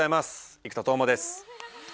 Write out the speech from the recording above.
生田斗真です！